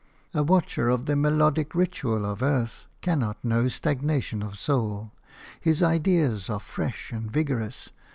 A watcher of the melodic ritual of earth cannot know stagnation of soul; his ideas are fresh and vigorous.